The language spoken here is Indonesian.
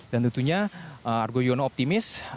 dan tentunya argo yono optimis